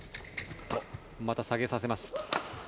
また下げさせます。